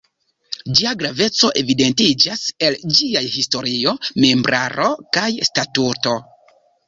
Ĝia graveco evidentiĝas el ĝiaj historio, membraro kaj statuto.